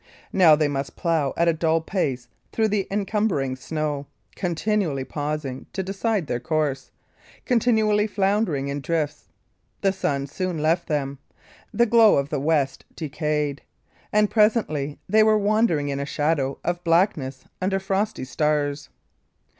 Now they must plough at a dull pace through the encumbering snow, continually pausing to decide their course, continually floundering in drifts. The sun soon left them; the glow of the west decayed; and presently they were wandering in a shadow of blackness, under frosty stars.